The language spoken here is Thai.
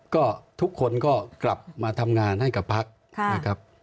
ก็ทุกคนก็กลับมาทำงานให้กับพักนะครับ